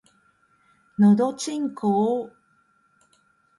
のどちんこぉ